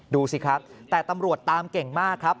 ดูสิครับแต่ตำรวจตามเก่งมากครับ